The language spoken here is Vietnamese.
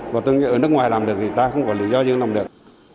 và tôi nghĩ ở nước ngoài làm được thì ta không có lý do dương làm được